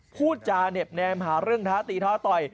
พูดจาเหน็บแนมหาเรื่องท้าตีท้าต่อย